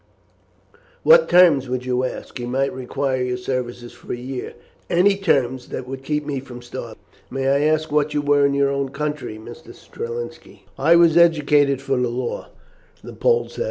"What terms would you ask? He might require your services for a year." "Any terms that would keep me from starving," the man said. "May I ask what you were in your own country, Mr. Strelinski?" "I was educated for the law," the Pole said.